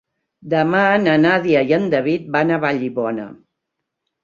Demà na Nàdia i en David van a Vallibona.